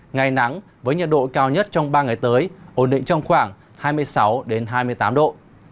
ngày nắng với nhiệt độ cao nhất trong ba ngày tới ổn định trong khoảng hai mươi sáu hai mươi tám độ